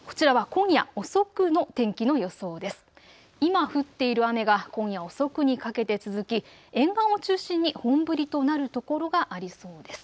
今、降っている雨が今夜遅くにかけて続き、沿岸を中心に本降りとなるところがありそうです。